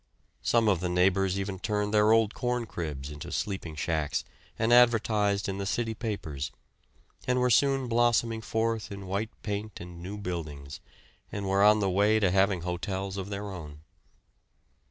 Some of the neighbors even turned their old corncribs into sleeping shacks, and advertised in the city papers, and were soon blossoming forth in white paint and new buildings, and were on the way to having "hotels" of their own.